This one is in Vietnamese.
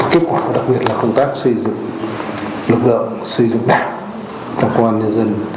kết quả đặc biệt là công tác xây dựng lực lượng xây dựng đảng trong công an nhân dân